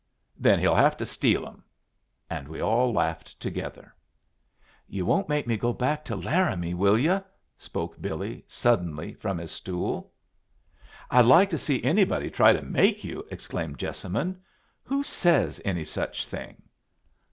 Then he'll have to steal 'em!" And we all laughed together. "You won't make me go back to Laramie, will you?" spoke Billy, suddenly, from his stool. "I'd like to see anybody try to make you?" exclaimed Jessamine. "Who says any such thing?"